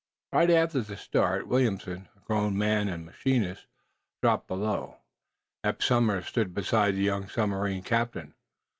Right after the start, Williamson, a grown man and machinist, dropped below. Eph Somers stood beside the young submarine captain.